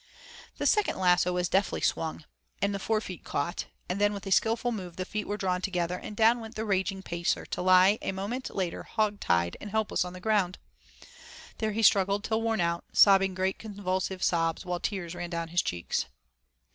The second lasso was deftly swung, and the forefeet caught, and then with a skilful move the feet were drawn together, and down went the raging Pacer to lie a moment later 'hog tied' and helpless on the ground. There he struggled till worn out, sobbing great convulsive sobs while tears ran down his cheeks.